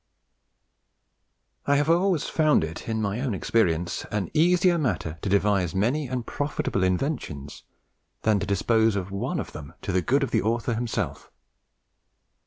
"I have always found it in mine own experience an easier matter to devise manie and profitable inventions, than to dispose of one of them to the good of the author himself."